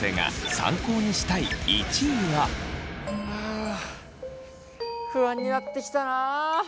あ不安になってきたな。